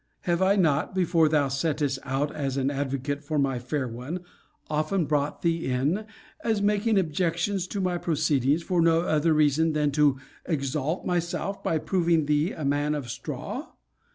Have I not, before thou settest out as an advocate for my fair one, often brought thee in, as making objections to my proceedings, for no other reason than to exalt myself by proving thee a man of straw?